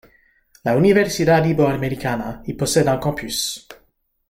La universidad Iberoamericana y possède un campus.